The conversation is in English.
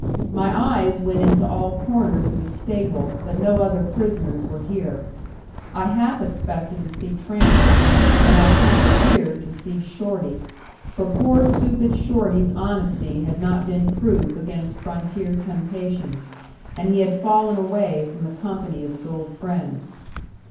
My eyes went into all corners of the stable, but no other prisoners were here. I half expected to see Trampas, and I half feared to see Shorty; for poor stupid Shorty's honesty had not been proof against frontier temptations, and he had fallen away from the company of his old friends.